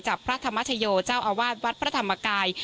จากพระธรรมชโยเจ้าอาวาสวัสดิ์วัดพระธรรมกาย